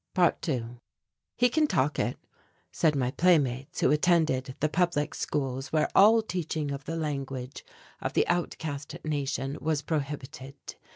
~2~ "He can talk it," said my playmates who attended the public schools where all teaching of the language of the outcast nation was prohibited.